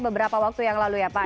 beberapa waktu yang lalu ya pak